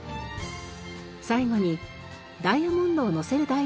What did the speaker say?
最後にダイヤモンドをのせる